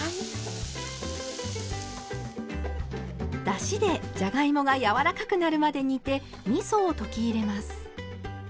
だしでじゃがいもがやわらかくなるまで煮てみそを溶き入れます。